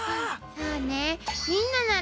そうね。